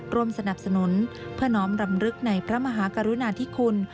ร่วมสนับสนุนเพื่อน้อมรำลึกในพระมหากรุณาธิคุณ